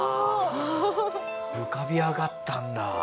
浮かび上がったんだ。